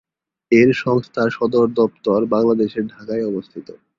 এর সংস্থার সদরদপ্তর বাংলাদেশের ঢাকায় অবস্থিত।